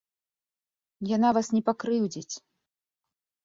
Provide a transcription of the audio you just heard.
Яна вас не пакрыўдзіць.